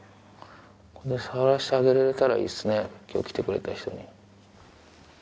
触らしてあげられたらいいですね今日来てくれた人に。